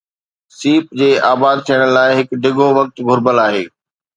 سيپ جي آباد ٿيڻ لاءِ هڪ ڊگهو وقت گهربل آهي